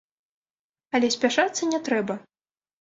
Але спяшацца не трэба.